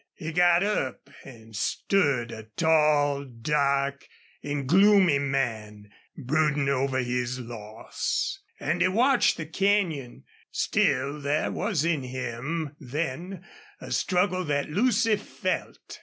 He got up and stood a tall, dark, and gloomy man, brooding over his loss, as he watched the canyon. Still, there was in him then a struggle that Lucy felt.